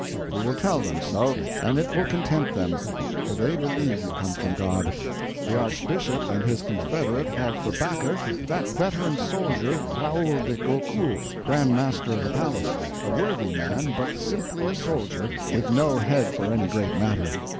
"We will tell them so, and it will content them, for they believe you come from God. The Archbishop and his confederate have for backer that veteran soldier Raoul de Gaucourt, Grand Master of the Palace, a worthy man, but simply a soldier, with no head for any greater matter.